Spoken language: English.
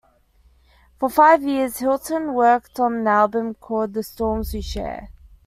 For five years, Hilton worked on an album called "The Storms We Share".